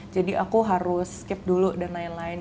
jadi aku harus skip dulu dan lain lain